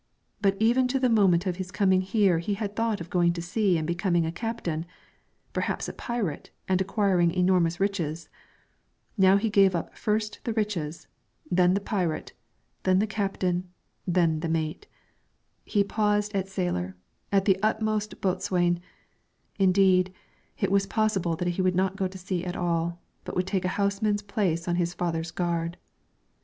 But even to the moment of his coming here he had thought of going to sea and becoming a captain; perhaps a pirate, and acquiring enormous riches; now he gave up first the riches, then the pirate, then the captain, then the mate; he paused at sailor, at the utmost boatswain; indeed, it was possible that he would not go to sea at all, but would take a houseman's place on his father's gard.